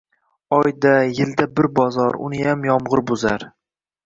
Oyda, yilda bir bozor, uniyam yomg‘ir buzar